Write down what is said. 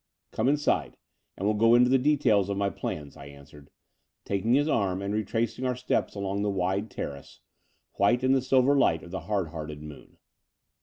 " Come inside, and we'll go into the details of my plans," I answered, taking his arm and retracing our steps along the wide terrace, white in the silver light of the hard hearted moon.